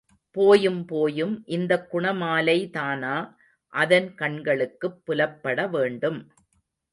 போயும் போயும் இந்தக் குணமாலைதானா அதன் கண்களுக்குப் புலப்படவேண்டும்.